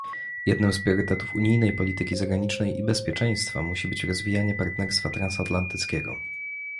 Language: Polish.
Jednym z priorytetów unijnej polityki zagranicznej i bezpieczeństwa musi być rozwijanie partnerstwa transatlantyckiego